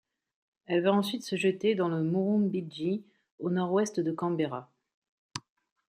Elle va ensuite se jeter dans le Murrumbidgee au nord ouest de Canberra.